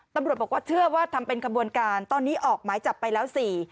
ตำรวจบอกว่าเชื่อว่าทำเป็นขบวนการตอนนี้ออกหมายจับไปแล้วสี่